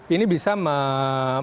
ini bisa mengatakan